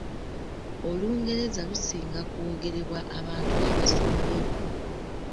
Olungereza lusinga kwogerebwa abantu abasomyeko.